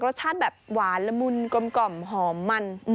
รสชาติแบบหวานละมุนกลมหอมมัน